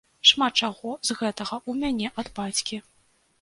Шмат чаго з гэтага ў мяне ад бацькі.